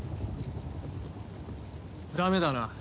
ダメだな。